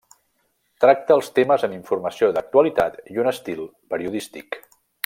Tracta els temes amb informació d'actualitat i un estil periodístic.